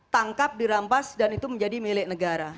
tangkap dirampas dan itu menjadi milik negara